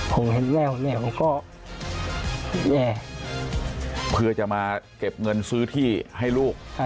ผมแม่ผมแม่ผมก็เพื่อจะมาเก็บเงินซื้อที่ให้ลูก